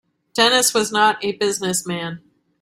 Dennis was not a business man.